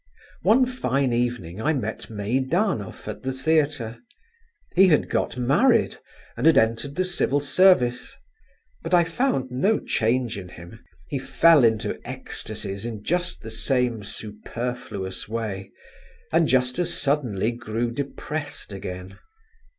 One fine evening I met Meidanov at the theatre. He had got married, and had entered the civil service; but I found no change in him. He fell into ecstasies in just the same superfluous way, and just as suddenly grew depressed again.